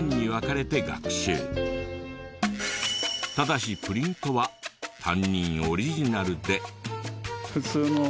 ただしプリントは担任オリジナルで。